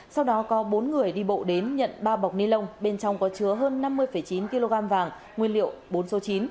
sau đó có bốn người đi bộ đến nhận ba bọc ni lông bên trong có chứa hơn năm mươi chín kg vàng nguyên liệu bốn số chín